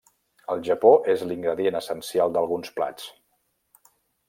Al Japó és l'ingredient essencial d'alguns plats.